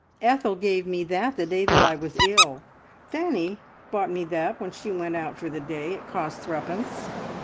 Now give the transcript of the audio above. "Ethel gave me that the day that I was ill. Fanny bought me that when she went out for the day. It cost threepence.